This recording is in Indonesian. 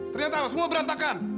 ternyata apa semua berantakan